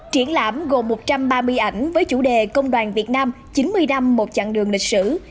triển lãm gồm một trăm ba mươi ảnh với chủ đề công đoàn việt nam chín mươi năm một chặng đường lịch sử